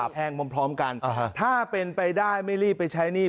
ภาพแพงพร้อมพร้อมกันอ่าฮะถ้าเป็นไปได้ไม่รีบไปใช้หนี้